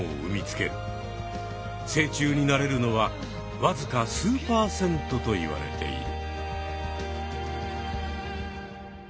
成虫になれるのはわずか数％といわれている。